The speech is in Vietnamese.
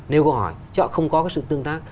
nêu câu hỏi chứ họ không có sự tương tác